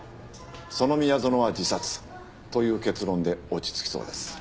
その宮園は自殺という結論で落ち着きそうです。